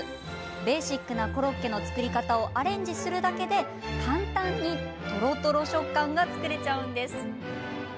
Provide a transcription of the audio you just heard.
ベーシックなコロッケの作り方をアレンジするだけで簡単に、とろとろ食感が作れちゃうんです。